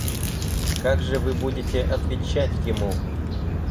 Как же вы будете отвечать ему?